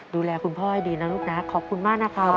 ดูแลคุณพ่อให้ดีนะลูกนะขอบคุณมากนะครับ